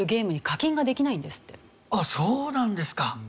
あっそうなんですか！